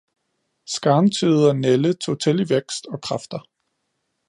Skarntyde og nælde tog til i vækst og kræfter